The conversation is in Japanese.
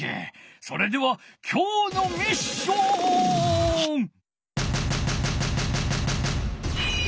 それではきょうのミッション！